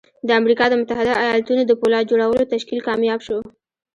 د امريکا د متحده ايالتونو د پولاد جوړولو تشکيل کامياب شو.